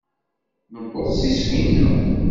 Nuweḍ s iswi-nneɣ.